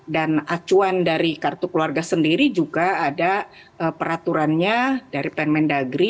dan acuan dari kartu keluarga sendiri juga ada peraturannya dari pemendagri